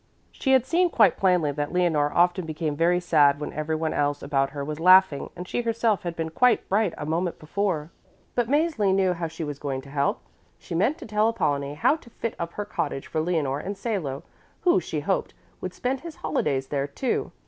She had seen quite plainly that Leonore often became very sad when everyone else about her was laughing and she herself had been quite bright a moment before. But Mäzli knew how she was going to help. She meant to tell Apollonie how to fit up her cottage for Leonore and Salo, who, she hoped, would spend his holidays there, too.